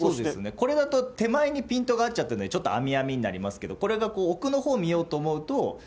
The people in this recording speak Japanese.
これだと、手前にピントが合っちゃってるので、ちょっとあみあみになりますけれども、これが奥のほう見ようと思